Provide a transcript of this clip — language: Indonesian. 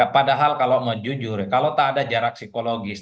padahal kalau mau jujur kalau tak ada jarak psikologis